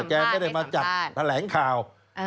แกไม่ได้มาจัดแถลงข่าว